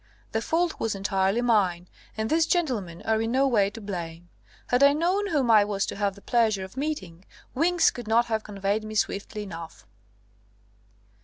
The fault was entirely mine, and these gentlemen are in no way to blame. Had I known whom I was to have the pleasure of meeting, wings could not have conveyed me swiftly enough."